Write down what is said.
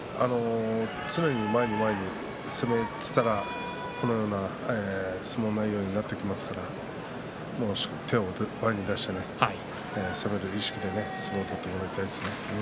常に前に前にこういう相撲内容になってきますから手を前に出して攻める意識で相撲を取ってもらいたいですね。